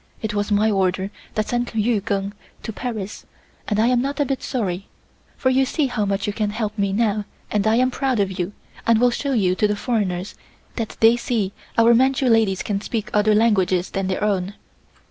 It was my order that sent Yu Keng to Paris and I am not a bit sorry, for you see how much you can help me now, and I am proud of you and will show you to the foreigners that they may see our Manchu ladies can speak other languages than their own."